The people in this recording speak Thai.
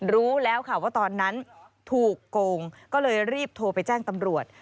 รู้แล้วค่ะว่าตอนนั้นถูกโกงก็เลยรีบโทรไปแจ้งตำรวจ